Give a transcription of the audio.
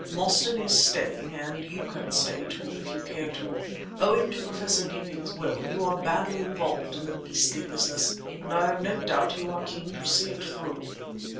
Mostyn is staying, and you can stay, too, if you care to. Owing to Professor Deeping's will you are badly involved in the beastly business, and I have no doubt you are keen to see it through."